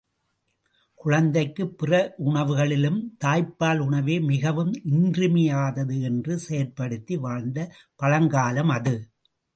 குழந்தைக்குப் பிற உணவுகளிலும் தாய்ப்பால் உணவே மிகவும் இன்றியமையாதது என்று செயற்படுத்தி வாழ்ந்த பழங்காலம் அது.